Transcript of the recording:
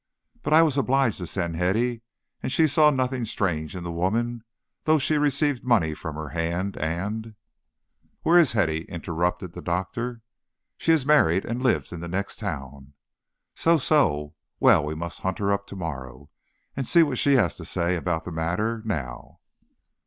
But I was obliged to send Hetty, and she saw nothing strange in the woman, though she received money from her hand, and " "Where is Hetty?" interrupted the doctor. "She is married, and lives in the next town." "So, so. Well, we must hunt her up to morrow, and see what she has to say about the matter now."